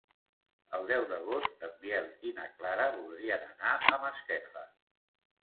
El deu d'agost en Biel i na Clara voldrien anar a Masquefa.